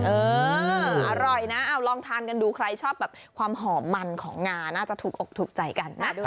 เอออร่อยนะเอาลองทานกันดูใครชอบแบบความหอมมันของงาน่าจะถูกอกถูกใจกันนะด้วย